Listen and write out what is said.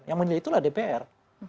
yang menilai itulah dpr